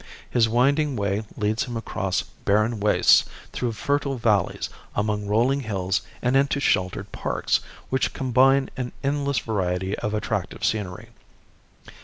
His winding way leads him across barren wastes, through fertile valleys, among rolling hills and into sheltered parks, which combine an endless variety of attractive scenery.